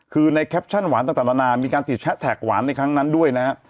คือในแคปชั่นหวานต่างนานามีการติดแฮชแท็กหวานในครั้งนั้นด้วยนะฮะ